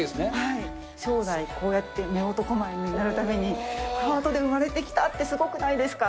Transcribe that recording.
将来、こうやってめおとこま犬になるために、ハートで生まれてきたってすごくないですか？